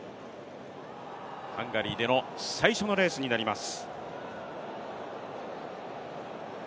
ハンガリーでの最初のレースになります。